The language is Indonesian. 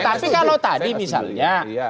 tapi kalau tadi misalnya